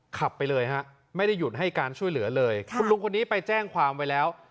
ขับไปเลยฮะไม่ได้หยุดให้การช่วยเหลือเลยคุณลุงคนนี้ไปแจ้งความไว้แล้ว